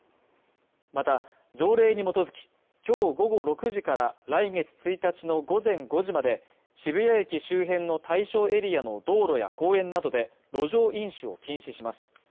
また条例に基づき今日午後６時から来月１日の午前５時まで渋谷駅周辺の対象エリアの道路や公園などで路上飲酒を禁止します